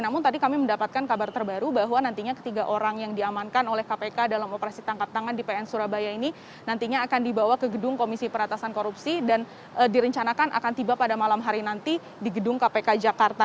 namun tadi kami mendapatkan kabar terbaru bahwa nantinya ketiga orang yang diamankan oleh kpk dalam operasi tangkap tangan di pn surabaya ini nantinya akan dibawa ke gedung komisi peratasan korupsi dan direncanakan akan tiba pada malam hari nanti di gedung kpk jakarta